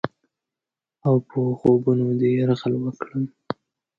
اوپه خوبونو دې یرغل وکړم؟